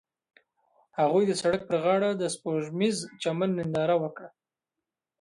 هغوی د سړک پر غاړه د سپوږمیز چمن ننداره وکړه.